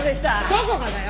どこがだよ！